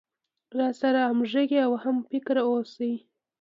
راسره همغږى او هم فکره اوسي.